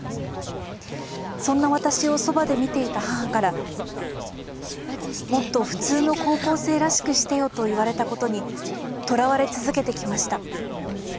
そんな私をそばで見ていた母から『もっと普通の高校生らしくしてよ』と言われたことにとらわれ続けてきました。